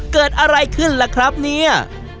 เกิดอะไรขึ้นล่ะครับเนี่ย